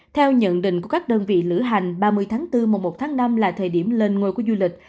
theo nhận định của các đơn vị lữ hành ba mươi tháng bốn mùa một tháng năm là thời điểm lên ngôi của du lịch